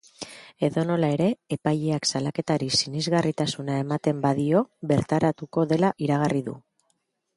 Edonola ere, epaileak salaketari sinesgarritasuna ematen badio bertaratuko dela iragarri du.